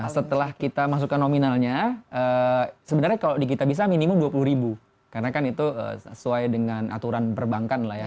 setelah kita masukkan nominalnya sebenarnya kalau di kitabisa minimum dua puluh ribu karena kan itu sesuai dengan aturan perbankan lah ya